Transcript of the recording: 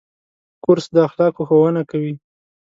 کورس د اخلاقو ښوونه کوي.